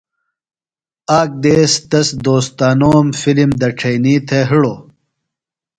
آک دیس تس دوستانوم فِلم دڇھئینی تھےۡ ہِڑوۡ۔